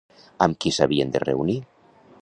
Amb qui s'havien de reunir?